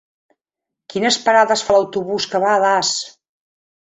Quines parades fa l'autobús que va a Das?